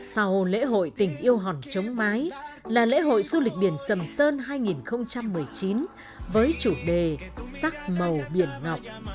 sau lễ hội tình yêu hòn chống mái là lễ hội du lịch biển sầm sơn hai nghìn một mươi chín với chủ đề sắc màu biển ngọc